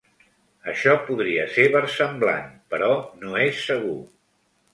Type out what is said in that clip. Això podria ser versemblant però no és segur.